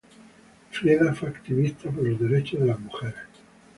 Frieda fue activista por los derechos de las mujeres.